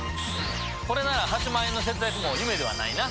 これなら８万円の節約も夢ではないな。